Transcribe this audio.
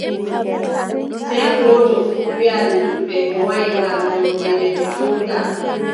Sey gooto fuu wiʼa luttuɓe ko wanyi ngam joonde meen juuta.